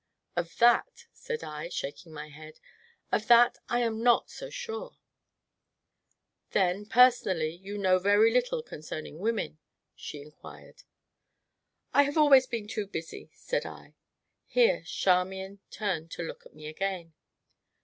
"Of that," said I, shaking my head, "of that I am not so sure." "Then personally you know very little concerning women?" she inquired. "I have always been too busy," said I. Here Charmian turned to look at me again.